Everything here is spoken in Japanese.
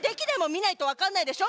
見ないと分かんないでしょ？